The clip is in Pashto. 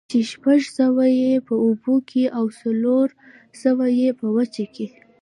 چې شپږ سوه ئې په اوبو كي او څلور سوه ئې په وچه كي